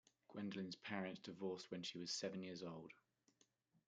Gwendolyn's parents divorced when she was seven years old.